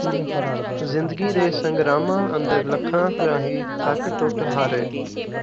ਜ਼ਿੰਦਗੀ ਦੇ ਸੰਗਰਾਮਾਂ ਅੰਦਰ ਲੱਖਾਂ ਰਾਹੀ ਥੱਕ ਟੁੱਟ ਹਾਰੇ